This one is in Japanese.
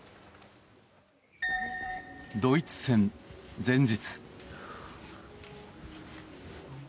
ドイツ戦前日。